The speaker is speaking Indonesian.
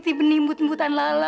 benih benih but butan lala